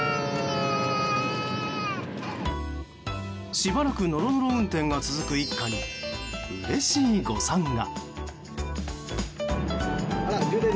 しばらくノロノロ運転が続く一家にうれしい誤算が。